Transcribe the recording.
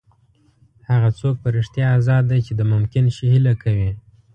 هغه څوک په رښتیا ازاد دی چې د ممکن شي هیله کوي.